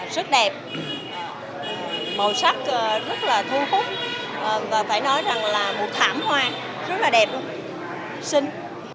rất đẹp màu sắc rất là thu hút và phải nói rằng là một thảm hoa rất là đẹp sinh